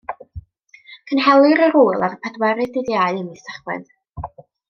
Cynhelir yr ŵyl ar y pedwerydd Dydd Iau ym mis Tachwedd.